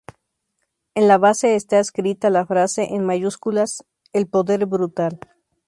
En la base está escrita la frase, en mayúsculas, "El poder brutal".